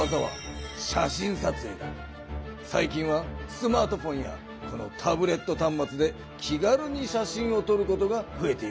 さい近はスマートフォンやこのタブレットたんまつで気軽に写真を撮ることがふえているな。